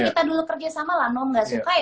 kita dulu kerja sama lah nom gak suka ya